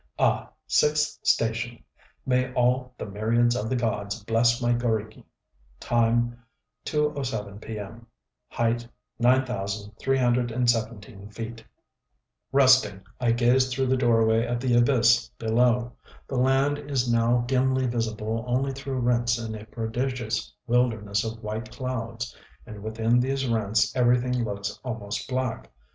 Ah! sixth station! may all the myriads of the gods bless my g┼Źriki! Time, 2:07 p. m. Height, 9,317 feet. Resting, I gaze through the doorway at the abyss below. The land is now dimly visible only through rents in a prodigious wilderness of white clouds; and within these rents everything looks almost black....